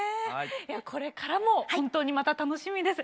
これからも本当にまた楽しみです。